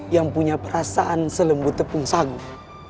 yang punya perasaan selembut tepung sagu